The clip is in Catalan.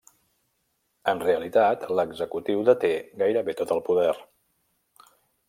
En realitat, l'executiu deté gairebé tot el poder.